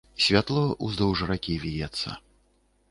Святло ўздоўж ракі віецца.